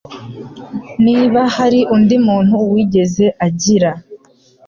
niba hari undi muntu wigeze agira.